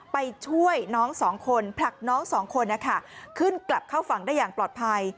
ไปช่วยน้องสองคนผลักน้องสองคนขึ้นกลับเข้าฝั่งได้อย่างปลอดภัย